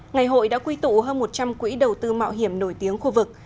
ngày hội đã quy tụ hơn một trăm linh quỹ đầu tư mạo hiểm nổi tiếng khu vực